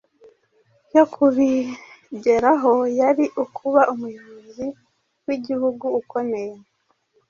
yo kubigeraho yari ukuba umuyobozi w’igihugu ukomeye,